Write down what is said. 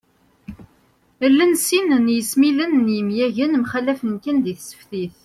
Llan sin n yesmilen n yemyagen, mxallafen kan di tseftit